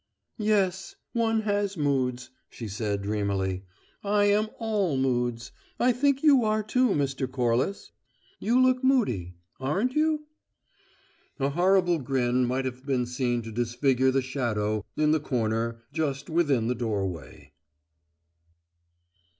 "Yes, one has moods," she said, dreamily. "I am all moods. I think you are too, Mr. Corliss. You look moody. Aren't you?" A horrible grin might have been seen to disfigure the shadow in the corner just within the doorway.